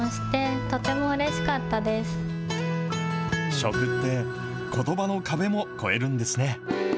食って、ことばの壁も越えるんですね。